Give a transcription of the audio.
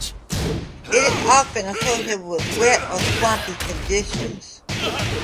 It is often associated with wet or swampy conditions.